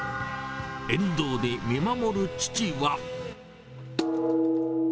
沿道で見守る父は。